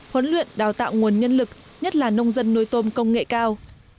huấn luyện đào tạo nguồn nhân lực nhất là nông dân nuôi tôm công nghệ cao